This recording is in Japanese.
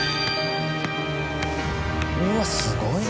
うわっすごいな。